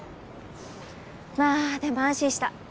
まあでも安心した。